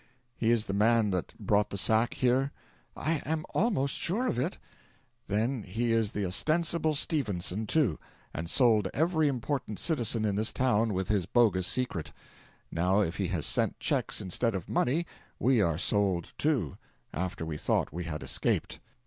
"He is the man that brought the sack here?" "I am almost sure of it." "Then he is the ostensible Stephenson too, and sold every important citizen in this town with his bogus secret. Now if he has sent cheques instead of money, we are sold too, after we thought we had escaped.